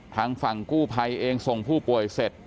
ทางฝั่งกู้ภัยเองส่งผู้ป่วยเสร็จ